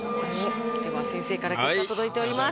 では先生から結果届いております。